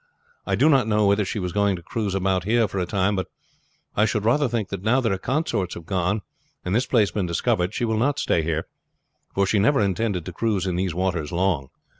I do not know whether she was going to cruise about here for a time, but I should rather think that now that her consorts have gone and this place been discovered she will not stay here, for she never intended to cruise in these waters long.